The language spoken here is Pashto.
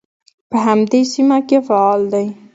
په همدې سیمه کې فعال دی.